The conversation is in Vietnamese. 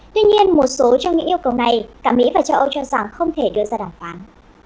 tuy nhiên một số trong những yêu cầu này cả mỹ và châu âu cho rằng không thể đưa ra đàm phán